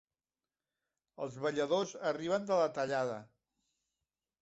Els balladors arriben de la tallada.